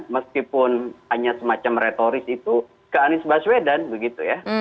meskipun hanya semacam retoris itu ke anies baswedan begitu ya